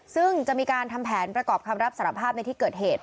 ซึ่งจะมีการทำแผนประกอบคำรับสารภาพในที่เกิดเหตุ